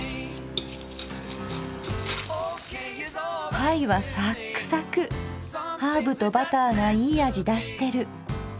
パイはサックサクハーブとバターがいい味出してる。